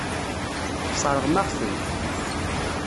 Tesseṛɣem-aɣ-ten.